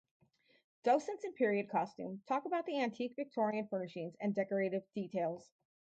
Docents in period costume talk about the antique Victorian furnishings and decorative details.